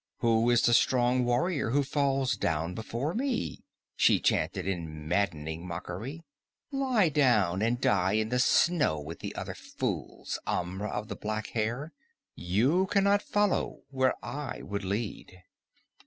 Who is the strong warrior who falls down before me?" she chanted in maddening mockery. "Lie down and die in the snow with the other fools, Amra of the black hair. You can not follow where I would lead."